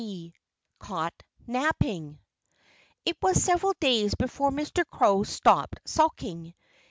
IV CAUGHT NAPPING It was several days before Mr. Crow stopped sulking.